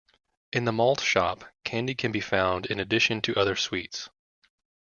In the malt shop, candy can be found in addition to other sweets.